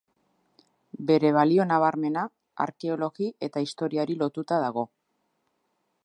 Bere balio nabarmena, arkeologi eta historiari lotuta dago.